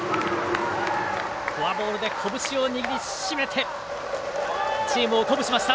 フォアボールで拳を握り締めてチームを鼓舞しました。